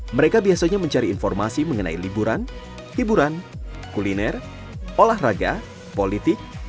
mereka biasanya mencari informasi mengenai liburan hiburan kuliner olahraga politik